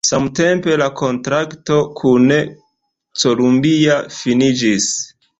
Samtempe la kontrakto kun Columbia finiĝis.